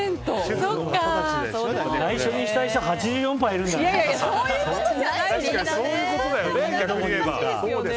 内緒にしたい人は８４％いるんだね。